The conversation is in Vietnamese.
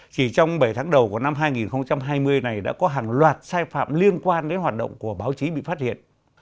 chỉ trong bảy tháng đầu của năm hai nghìn hai mươi này đã có hàng loạt sai phạm liên quan đến hoạt động của báo chí bị phát hiện